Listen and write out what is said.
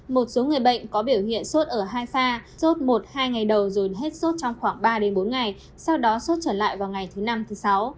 một số người bệnh có biểu hiện xuất ở hai pha xuất một hai ngày đầu rồi hết xuất trong khoảng ba đến bốn ngày sau đó xuất trở lại vào ngày thứ năm thứ sáu